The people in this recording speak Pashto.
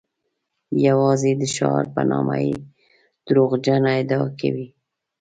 یوازې د شعار په نامه یې دروغجنه ادعا کوي.